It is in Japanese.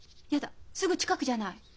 やだすぐ近くじゃない。